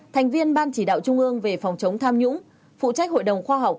thành viên ban chỉ đạo trung ương về phòng chống tham nhũng phụ trách hội đồng khoa học